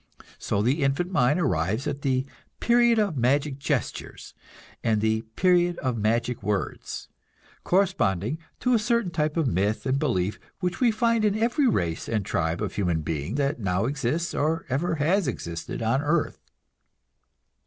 So the infant mind arrives at the "period of magic gestures" and the "period of magic words"; corresponding to a certain type of myth and belief which we find in every race and tribe of human being that now exists or ever has existed on earth.